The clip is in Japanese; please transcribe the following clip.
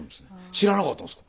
知らなかったんですか。